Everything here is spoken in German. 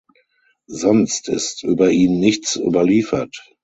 Sonst ist über ihn nichts überliefert.